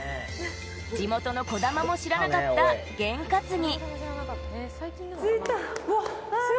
地元の児玉も知らなかったゲン担ぎ。